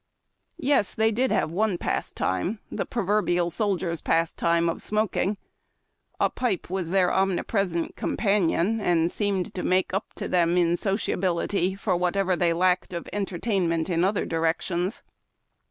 Yes, they did have one pastime — the proverbial soldier's pastime of smoking. A pipe was their omni present companion, and seemed to make up to them in LIFE IN TENTS. 67 sociability for whatsoever they lacked of entertainment in other directions.